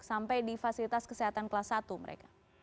sampai di fasilitas kesehatan kelas satu mereka